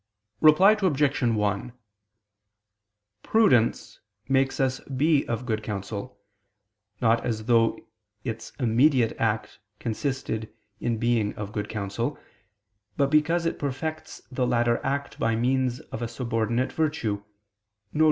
Reply Obj. 1: Prudence makes us be of good counsel, not as though its immediate act consisted in being of good counsel, but because it perfects the latter act by means of a subordinate virtue, viz.